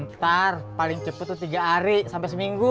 ntar paling cepat saya arie sampai seminggu